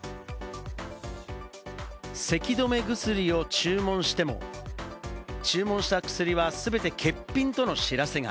咳止め目薬を注文しても、注文した薬は全て欠品との知らせが。